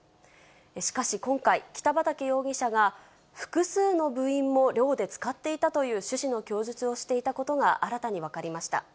しかし今回、北畠容疑者が複数の部員も寮で使っていたという趣旨の供述をしていたことが新たに分かりました。